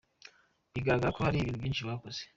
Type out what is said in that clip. Bigaragara ko hari ibintu byinshi yakoze.